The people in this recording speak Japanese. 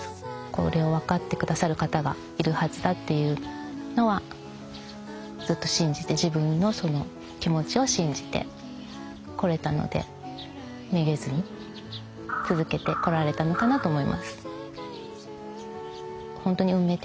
これを分かって下さる方がいるはずだっていうのはずっと信じて自分のその気持ちを信じてこれたのでめげずに続けてこられたのかなと思います。